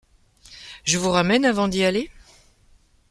Je vous ramène avant d’y aller ?